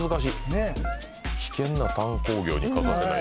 危険な炭鉱業に欠かせない。